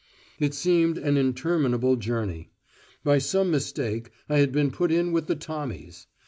It seemed an interminable journey. By some mistake I had been put in with the Tommies.